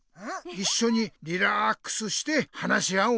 いっしょにリラックスして話し合おうね。